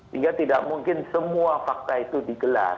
sehingga tidak mungkin semua fakta itu digelar